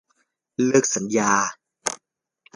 เลิกสัญญา